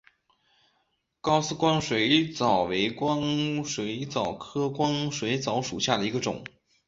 高斯光水蚤为光水蚤科光水蚤属下的一个种。